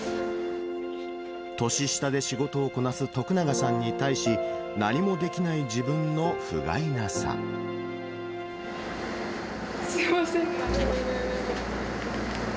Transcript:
年下で仕事をこなす徳永さんに対し、すみません。